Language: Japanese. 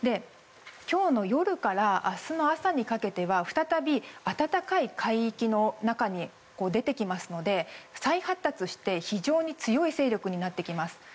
今日の夜から明日の朝にかけては再び、温かい海域の中に出てきますから再発達して非常に強い勢力になってきます。